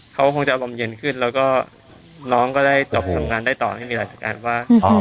เขาคงจะอารมณ์เย็นขึ้นแล้วก็น้องก็ได้จบทำงานได้ต่อให้มีหลักประกันว่า